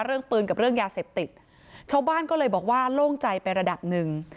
เรื่องปืนกับเรื่องยาเสพติดชาวบ้านก็เลยบอกว่าโล่งใจไประดับหนึ่ง